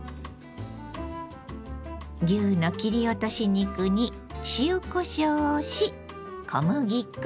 牛の切り落とし肉に塩こしょうをし小麦粉。